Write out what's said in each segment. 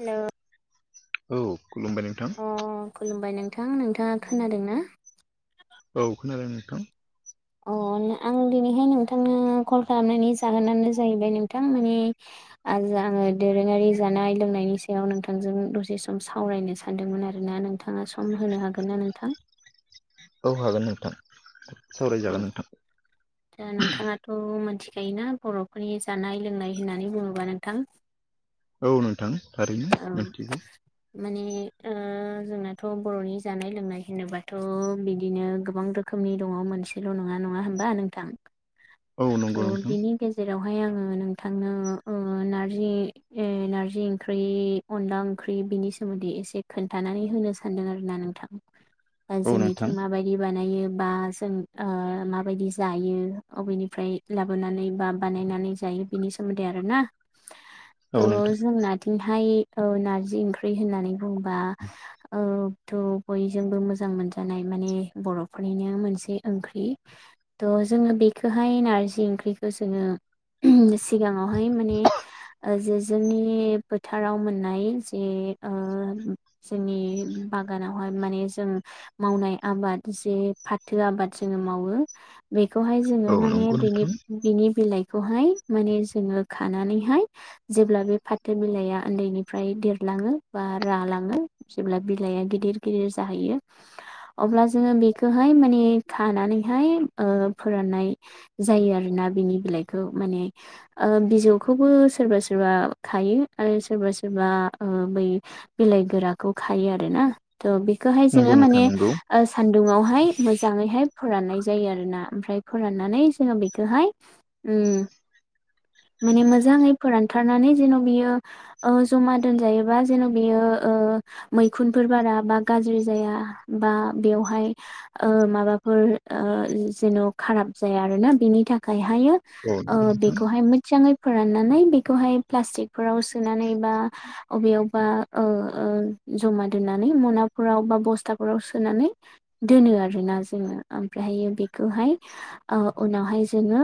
Hello औ खुलुमबाय नोंथां। अ खुलुमबाय नोंथां नोंथाङा खोनादों ना? औ खोनादों नोंथां। अ ' आं दिनैहाय नोंथांनो कल खालामनायनि जाहोनानो जाहैबाय नोंथां माने आङो दोरोङारि जानाय लोंनायनि सायाव नोंथांजों दसे सम सावरायनो सानदोंमोन आरो ना नों नोंथाङा सम होनो हागोन ना नोंथां। औ हागोन नोंथां औ सावरायजागोन नोंथां। दा नोंथाङाथ' मोनथिखायोना बर'फोरनि जानाय लोंनाय होननानै बुङोब्ला नोंथां। औ नोंथां थारैनो औ मिथिगौ। माने ओ जोंनाथ' बर'नि जानाय लोंनाय होनोबाथ' बिदिनो गोबां रोखोम रोखोमनि दङ मोनसेल' नङा नङा होमबा नोंथां औ नंगौ थ' नोंथां बिनि गेजेरावहाय आङो नोंथांनो नारजि ओ नारजि ओंख्रि। अनला ओंख्रि बिनि सोमोन्दै एसे खोन्थानानै होनो सानदों आरो ना नोंथां। औ नोंथां जोंनिथिं माबायदि बानायो बा जों माबायदि जायो अबेनि ओमफ्राय लाबोनानै बा बानायनानै जायो बिनि सोमोन्दै आरोना। औ नोंथां थ' जोंनाथिंहाय नारजि ओंख्रि होननानै बुंङोबा थ' बयजोंबो मोजां मोनजानाय माने बर'फोरनिनो मोनसे ओंख्रि। थ' जोङो बेखो फाय नारजि ओंख्रिखौ जोङो सिगाङावहाय माने जेज जोंनि फोथाराव मोननाय जे ओ जोंनि बागानावहाय माने जों मावनाय आबाद जे फाथो आबाद जोङो मावो बेखौहाय औ जोङो मा नंगौ नोंथां बिनि बिलाइखौहाय माने जोङो खानानैहाय जेब्ला बे फाथो बिलाइया उन्दैनिफ्राय देरलाङो बा रालाङो जेब्ला बिलाइआ गिदिर गिदिर जाहैयो अब्ला जोङो बेखौहाय माने खानानैहाय फोराननाय जायो आरोना बिनि बिलाइखौ माने बिजौखौबो सोरबा सोरबा खायो आरो सोरबा सोरबा ओक्षबै बिलाइ गोराखौ खायो आरो ना थ' बेखौहाय नंगौ जोङो नोंथां माने नंगौ सान्दुुंङावहाय मोजाङैहाय फाननाय जायो आरो ना ओमफ्राय फोरान नानै जोङो बेखौहाय उम माने मोजाङै फोरानथारनानै जेन' बियो ओ जमा दोनजायोबा जेन' बेयो ओ मैखुनफोर बारा बा गाज्रि जाया बा बेवहाय माबाफोर जेन' खाराब जाया आरोना बेनि थाखायहायो औ नंगौ नोंथां बेखौहाय मोजाङै फोराननानै बेखौहाय प्लास्टिकफोराव सोनानै बा अबेयावबा ओ ओ जमा दोननानै मनाफोराव बा बस्थाफोराव सोनानै दोनो आरोना जोङो ओमफ्रायहायो बेखौहाय उनावहाय जोङो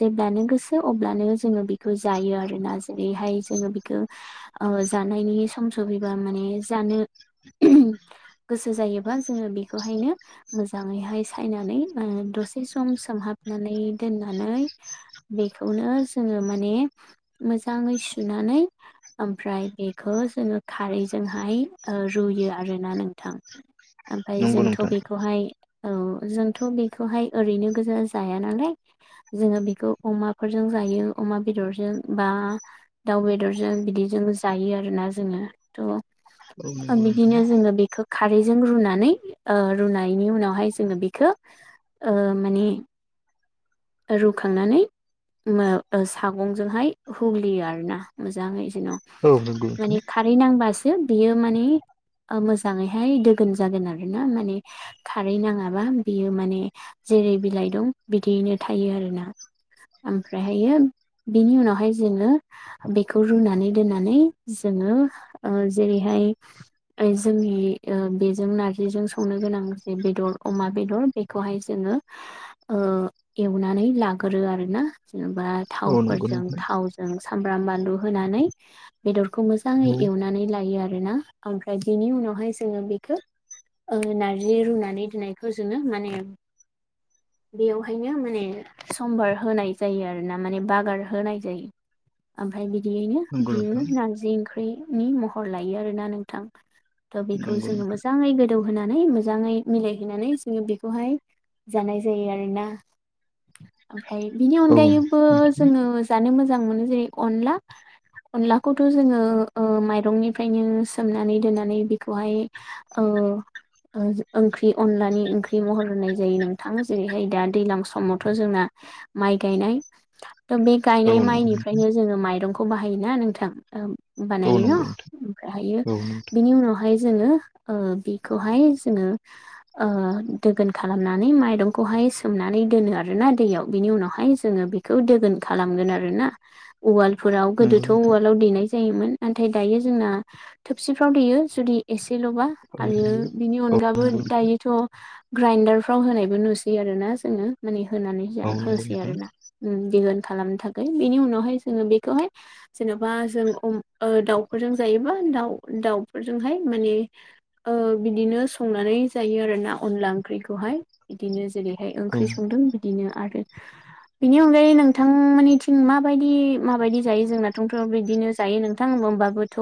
जेब्लानो गोसो अब्लानो जोङो बेखौ जायो आरोना जेरैहाय जोङो बिखौ ओ जानायनि सम सफैबा माने जानो [unintelligible] गोसो जायोबा जोङो बेखौहायनो मोजाङैहाय सायनानै दसे स सम सोमहाबनानै दोननानै बेखौनो जोङो माने मोजाङै सुनानै ओमफ्राय बेखौ जोङो खारैजोंहाय रुयो ओ आरोना नोंथां। ओमफ्राय नंगौ जोंथ' नोंथां बेखौहाय औ जोंथ' बेखौहाय ओरैनो गोजा जाया नालाय। जोङो बेखौ अमाफोरजों जायो अमा बेदरजों बा दाउ बेदरजों बिदिजों जायो आरोना जोङो औ थ' नंगौ बिदिनो नोंथां जोङो बेखौ खारैजों रुनानै ओ रुनायनि उनावहाय जोङो बेखौ माने रुखांनानै सागंजोंहाय हुग्लियो आरो ना मोजाङै जेन' औ नंगौ नोंथां माने खारै नांबासो बेयो माने मोजाङैहाय दोगोन जागोन आरो ना माने खारै नाङाबा बियो माने जेरै बिलाइ दं बिदियैनो थायो आरोना। ओमफ्रायहायो बिनि उनावहाय जोङो बेखौ रुनानै दोननानै जोङो ओ जेरैहाय जोंनि ओ बेजों नारजिजों संनो गोनां जे बेदर अमा बेदर बेखौहाय जोङो ओ एवनानै लागोरो आरो ना जेनेबा औ नंगौ थावफोरजों नोंथां थाव जों सामब्राम बानलु होनानै बेदरखौ मोजाङै औ एवनानै लायो आरोना। ओमफ्राय बिनि उनावहाय जोङो बेखो ओ नारजि रुनानै दोननायखौ जोङो माने बेयावा ओंखायनो माने सम्बार होनाय जायो आरो ना माने बागोर होनाय जायो। ओमफ्राय बिदियैनो नंगौ बियो नोंथां नारजि ओंख्रिनि महर लायो आरोना नोंथां। था बेखौ नंगौ जोङो नोंथां मोजाङै गोदौ होनानै मोजाङै मिलायहोनानै जोङो बेखौहाय जानाय जायो आरोना। ओमफ्राय बिनि औ अनगायैबो नोंथां जोङो जानो मोजां मोनो जेरै अनला अनलाखौथ' ओ जोङो माइरंनिफ्रायनो सोमनानै दोननानै बेखौहाय ओ ओंख्रि अनलानि ओंख्रि महर होनाय जायो नोंथां जेरैहाय दा दैज्लां समावथ' जोंना माइ गायनाय था ता बे औ गायनाय नंगौ नोंथां माइनिफ्रायनो जोङो माइरंखौ बाहायोना नोंथां। औ बानायो ना नंगौ नोंथां ओमफ्रायहायो औ नोंथां बिनि उनाव हाय जोङो बेखौहाय जोङो ओ दोगोन खालामनानै माइरंखौहाय सोमनानै दोनो आरोना दैयाव बिनि उनावहाय जोङो बेखौ दोगोन खालामगोन आरोना। उवालफोराव नंगौ गोदोथ' नोंथां उवालाव देनायस जायोमोन नाथाय दायो जोंना थोबसिफ्राव देयो जुदि एसेल'बा औ नंगौ बेनि औ नंगौ अनगाथ' नोंथां दायोथ' ग्राइडारफ्राव होनायबो नुसै आरो ना जोङो। माने होनानै औ नंगौ होसै नोंथां आरो ना बिहोन खालामनो थाखाय बेनि उनावहाय जोङो बेखौहाय जेन'बा जों दाउफोरजों जायोबा दाउ दाउफोरजोंहाय माने ओ बिदिनो संनानै जायो आरो ना अनला ओंख्रिखौहाय बिदिनो जेरैहाय औ ओंख्रि संदों बिदिनो आरो बिनि अनगायै नोंथां माननिथिं माबायदि माबायदि जायो जोंनाथं थ' बिदिनो जायो नोंथां होमबाबोथ'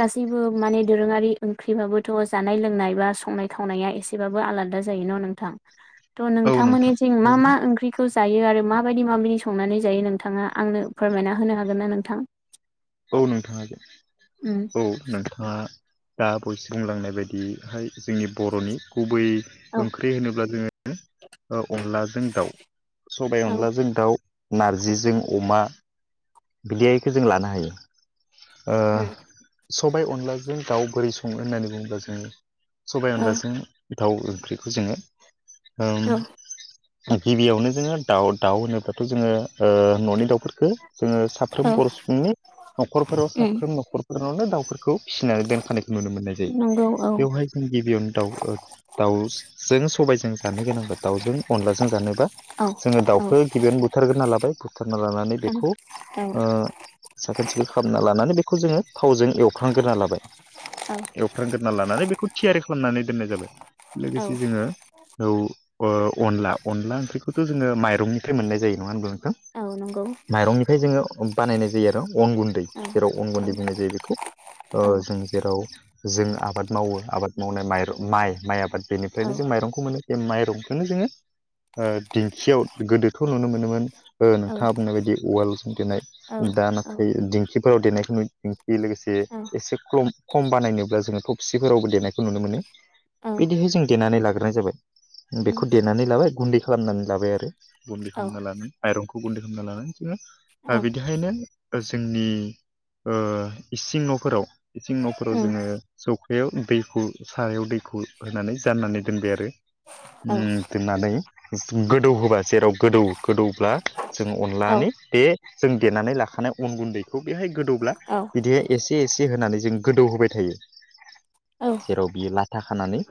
गासैबो माने दोरोङारि ओंख्रिबाबोथ' जानाय लोंनाय बा संनाय खावनाया एसे एसेब्लाबो आलादा जायो ना नोंथां थ' औ नोंथां नोंथांमोननिथिं मा मा ओंख्रि ओंख्रिखौ जायो आरो माबायदि माबायदि संनानै जायो नोंथाङा आंनो फोरमायना होनो हागोन ना नोंथां? औ नोंथां औ उम जादों। ओ दा बयस बुंलांनाय बायदियैहाय जोंनि बर'नि गुबै औ ओंख्रि होनोब्ला जोङो अनलाजों दाउ सबाय औ अनलाजों दाउ नारजिजों अमा बिदियखौ जों लानो हायो। ओ उम सबाय अनलाजों दाउ बोरै सङो होननानै बुङोब्ला जोङो सबायाइ औ अनलाजों दाव ओंख्रिखौ जोङो औ उम गिबियावनो जोङो दाउ दाउ होनोब्लाथ' जोङो ओ न'नि दाउफोर जोङो साफ्रोम औ बर' सुबुंनि न'खरफोराव उम साफ्रोम न'खरफोरावनो दाावफोरखौ फिसिनानै दोनखानायखौ नुनो मोननाय जायो। नंगौ औ बेवहाय जों गिबियावनो दाउफोरा दाउजों सबायजों जानो गोनांबा दाउजों अनलाजों जानोबा औ जोङो औ दाउखौ गिबियावनो बुथारग्रोना लाबाय बुथारना लानानै औ बेखौ ओ साखोन सिखोन खालामना लानानै बेखौ जोङो थावजों एवख्रांग्रोना लाबाय। औ। एवथ्रांग्रोना लानानै बेखौ थियारि खालामनानै दोननाय जाबाय औ लोगोसे जोङो औ अनला अनला ओंख्रिखौथ' जोङो माइरंनिफ्राय मोननाय जायो नङा होनब्ला नोंथां। औ नंगौ माइरंनिफ्राय जोङो बानायनाय जायो आरो अन गुन्दै औ जेराव अन औ गुन्दै बुंनाय जायो बेखौ ओ औ जों जेराव जों आबाद मावो आबाद मावनाय माइरं माइ माइ आबाद औ बेनिफ्रायनो जों माइरंखौ मोनो। बे माइरंखौनो जोङो ओ दिन्खियाव गोदोथ' नुनो मोनोमोन औ नोंथाङा बुंनाय बायदि वालजों औ देनाय दा नाथाय दिंखिफोराव देनायखौ नुयो दिंखि लोगोसे औ एसे खम खम बानायनोब्ला जोङो थफसिफोरावबो देनायखौ नुनो मोनो। औ बिदिहाय जों देनानै लाग्रोनाय जाबाय उम बेखौ देनानै लाबाय गुन्दै खालामनानै लाबाय आरो। गुन्दै औ खालामना लानाय आइरनखौ गुन्दै खालामना लानानै जोङो बिदिहायनो जोंनि ओ इसिं न'फोराव इसिं न'फोराव उम जोङो सौखायाव दैखौ साहायाव दैखौ होनानै जाननानै दोनबाय आरो उम। औ दोननानै गोदौ होबा जेराव गोदौ गोदौब्ला जों अनलानि बे जों देनानै लाखानाय अन गुन्दैखौ बेहाय गोदौब्ला औ बिदिहाय एसे एसे होनानै जों गोदौ होबाय थायो। औ जेराव बियो लाथा खानानै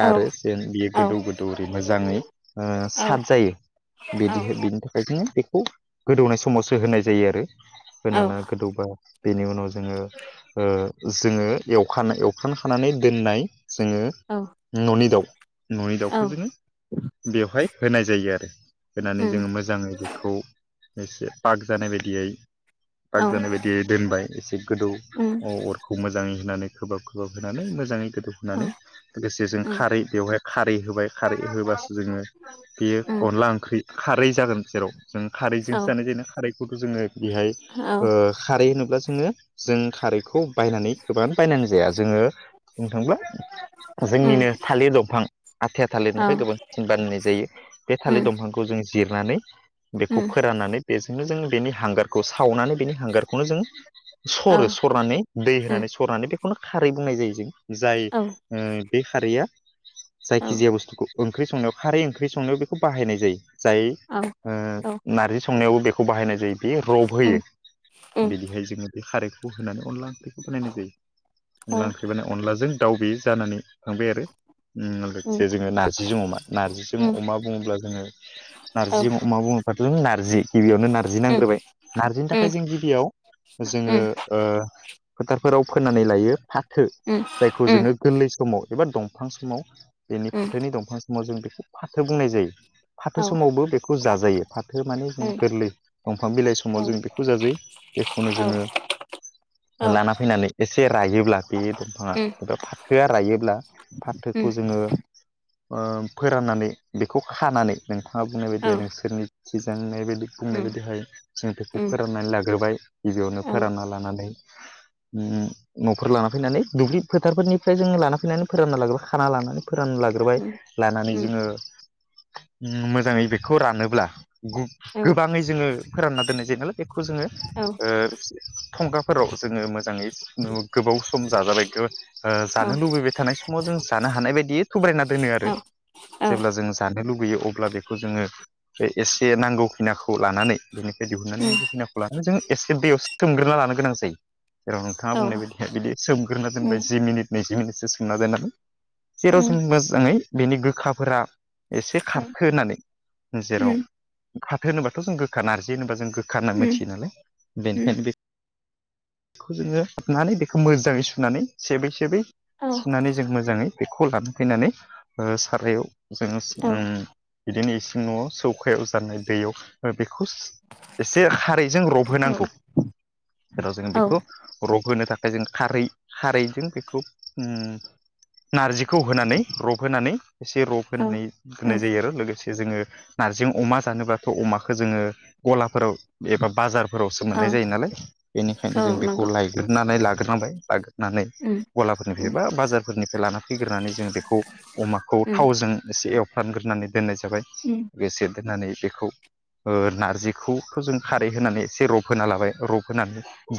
औ आरो उम जेन बियो औ गोदौ गोदौ ओरै मोजाङै साद जायो। बिदिहाय बिनि थाखाय जोङो बेखौ गोदौनाय समावसो होनाय जायो आरो। होनाला गोदौबा बेनि उनाव जोङो ओ जोङो एवखानाय एवखांखानानै दोननाय जोङो उम न'नि दाउ न'नि दाउखौ जोङो बेवहाय होनाय जायो आरो होनानै जोङो मोजाङै बेखौ एसे पाग जानाय बायदियै औ पाग जानाय बायदि दोनबाय एसे गोदौ उम अ अरखौ मोजाङै होनानै खोबहाब खोबहाब होनानै मोजाङै औ गोदौहोनानै लोगोसे औ जों उम खारै बेवहाय खारै होबाय खारै होबासो जोङो बेयो अनला ओंख्रि खारै जागोन जेराव जों औ उम औ खारैजोंसो उम जानाय जायो न खारैखौथ' जोङो बेहाय औ उम औ उम औ उम खारै होनोब्ला जोङो जों खारैखौ बायनानै गोबां बायनांगौ जाया जोङो बुंनो थांब्ला उम जोंनिनो थालिर दंफां आथिया थालिरनिफ्राय गोबांसिन बानायनाय जायो। बे थालिर दंफांखौ जों जिरनानै बेखौ फोराननानै बेजोंनो जों बेनि हांगार खौ सावनानै बेनि हांगारखौनो जों सरो सरनानै दै होनानै सरनानै बेखौनो खारै बुंनाय जायो जों जाय बे खारैया जायखिजाया बुस्थुखौ ओंख्रि संनायाव खारै ओंख्रि संनायाव बेखौ बाहायनाय जायो जाय ओ नारजि संनायावबो बेखौ बाहायनाय जायो बे रबहोयो। बिदिहाय जोङो बे खारैखौ होनानै अनला ओंख्रिखौ बानायनाय जायो। अनला ओंख्रिबानानो अनलाजों दाउ बे जानानै थांबाय आरो। लोगोसे जोङो नारजिजों अमा। नार्जिजों अमा बुङोब्ला जोङो नारजि अमा बुङोबाथ' नारजि गिबियावनो नारजि नांग्रोबाय। नारजिनि थाखाय जों गिबियाव जोङो ओ फोथारफोराव फोनानै लायो फाथो जायखौ जोङो गोरलै समाव एबा दंफां समाव बेनि फाथोनि दंफां समाव जों बेखौ फाथो बुंनाय जायो। फाथो औ समावबो बेखौ जाजायो फाथो माने जों गोरलै दंफां बिलाइ सम उम औ समाव जों बेखौ जाजायो एखौनो औ जोङो लाना फैनानै एसे रायोब्ला बे दंफाङा उम एबा फाथोआ रायोब्ला उम फाथोखौ जोङो फोराननानै बेखौ खानानै नोंथाङा बुंनाय बायदि औ नोंसोरनि सिजांनाय बायदि बुंनाय उम बायदिहाय जों बेखौ उम फोराननानै लाग्रोबाय गिबियावनो औ फोरानना लानानै न'खरफोर लाना फैनानै दुब्लि फोथारफोरनिफ्राय जोङो लाना फैनानै फोरानना लाग्रोबाय खाना लानानै फोरानना लाग्रोबाय। उम लानानै उम जोङो मोजाङै बेखौ रानोब्ला गु औ गोबाङै जोङो फोरानना दोननाय जायो नालाय बेखौ जोङो औ ओ थंगाफोराव जोङो मोजाङै नो गोबाव सम जाजालायगोन। औ जानो लुबैबाय थानाय समाव जों जानो हानाय बायदियै थुब्रायना दोनो आरो। औ औ जेब्ला जों जानो लुुबैयो अब्ला बेखौ जोङो बे एसे नांगौ खिनाखौ लानानै बेनिखाय दिहुननानै उम नांगौ खिनाखौ लानानै जों एसे दैयाव सोमग्रोना लानो गोनां जायो। जेराव नोंथाङा औ बुंनाय बायदिया बिदि सोमग्रोना उम दोनबाय जि मिनिट नैजि मिनिटसो सोमना दोननानै जेराव उम जों मोजाङै बेनि गोखाफोरा एसे खारखो होननानै उम जेराव फाथो होनोबाथ' जों गो गोखा नारजि होनोबा जों गोखा होनना उम मिथियो नालाय उम बेनिखायनो बे बेखौ जोङो हाबनानै बेखौ मोजाङै सुनानै सेबै सेबै औ सुनानै जों मोजाङै बेखौ लान फैनानै सारायाव जोङो ओ औ बिदिनो इसिं न'आव सौखायाव जाननाय दैयाव बे एसे खारैजों औ रबहोनांगौ जेराव जोङो औ बेखौ रब होनो थाखाय जों खारै खारैजों बेखौ ओ नारजिखौ होनानै रब होनानै एसे रब उम होनानै होननाय जायो आरो लोगोसे जोङो नारजि अमा जानोब्लाथ' अमाखौ जोङो गलाफोराव एबा बाजारफोरावसो औ मोननाय जायो नालाय औ बेनिखायनो जों बेखौ नंगौ लायो लिरनानै लाग्रोनांबाय ला नानै उम उम गलाफोरनिफ्राय उम बा बाजारफोरनिफ्राय लाना फैग्रानै जों बेखौ अमाखौ उम थावजों एसे एवफ्रानग्रोनानै दोननाय जाबाय ओ। लोगोसे दोननानै बेखौ नारजिखौखौ जों खारै होनानै एसे रब होना लाबाय रब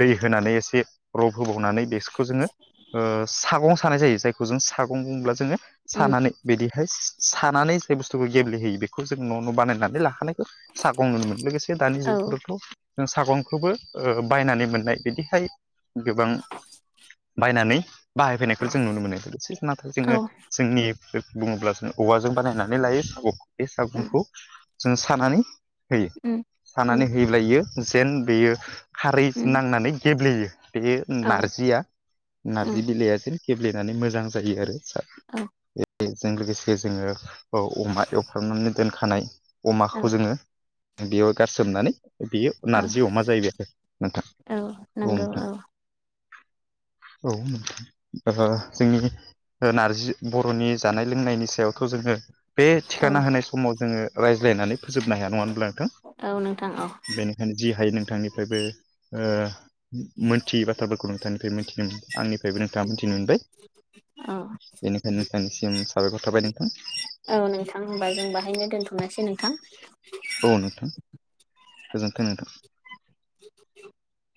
दै होनानै एसे रब होबावनानै बिसिखौ जोङो ओ साग्लोबसार सानाय जायो जायखौ जों सागं बब्ला जोङो सानानै बिदि बेहाय सानानै जाय बुस्थुखौ गेब्लेहोयो बेखौ जों न' न' बानायनानै लाखानायखौ सागं नोमोन लोगोसे दानि औ उम जुगफोरावथ' जों सागंखौबो बायनानै मोननाय बिदिहाय गोबां बायनानै बाहायफैनायखौ जों नुनो मोनो नाथाय जोङो जोंनि बुङोब्ला जों औवाजों बानायनानै लायो सागं बे उम सागंखौ। जों सानानै होयो उम सानानै होयोब्ला इयो जेन बेयो खारै उम नांनानै गेब्लेयो बे औ नारजिया उम नारजि बिलाइया जेन गेब्लेनानै मोजां जायो आरो सार औ बेजों लोगोसे जोङो औ अमा एवफ्रनानै दोनखानाय औ अमाखौ जोङो बेयाव गारसोमनानै बेयो नारजि अमा जाहैबाय आरो नोंथां औ नोंथां। [inaudible] औ ओं जोंनि ओं नारजि बर'नि जानाय लोंनायनि सायावथ' जोङो बे औ थिखाना होनाय समाव जोङो रायज्लायनानै फोजोबनो हाया नङा होनब्ला नोंथां? औ नोंथां औ बेनिखायनो जि हायो नोंथांनिफ्रायबो ओं मोनथियै बाथ्राफोरखौ नोंथांनिफ्राय मोनथिनो आंनिफ्रायबो नोंथाङा मोनथिनो मोनबाय। अ। बेनिखायनो नोंथांनिसिम साबायखर थाबाय नोंथां। औ नोंथां होनबा जों बाहायनो दोनथ'नोसै नोंथां। औ नोंथां गोजोन्थों नोंथां। [inaudible]